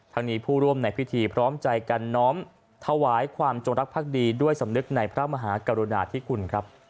นี้ผู้ร่วมในพิธีพร้อมใจกันน้อมถวายความจงรักภักดีด้วยสำนึกในพระมหากรุณาธิคุณครับ